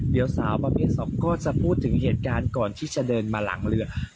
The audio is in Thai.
เดี๋ยวสาวประเภท๒ก็จะพูดถึงเหตุการณ์ก่อนที่จะเดินมาหลังเรือ